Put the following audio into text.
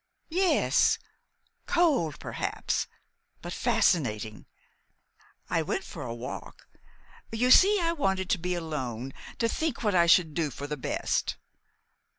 "Yes, cold, perhaps, but fascinating. I went for a walk. You see, I wanted to be alone, to think what I should do for the best.